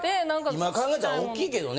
今考えたらおっきいけどね。